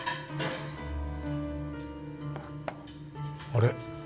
あれ？